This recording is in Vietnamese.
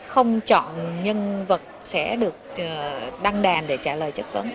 không chọn nhân vật sẽ được đăng đàn để trả lời chất vấn